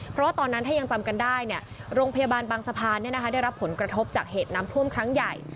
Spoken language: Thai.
เพราะว่าตอนนั้นถ้ายังจำกันได้โรงพยาบาลบางสะพานได้รับผลกระทบจากเหตุน้ำท่วมครั้งใหญ่